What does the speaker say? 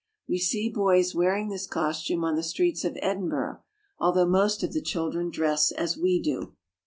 We see boys wearing this costume on the streets of Edin burgh, although most of the children dress as we do.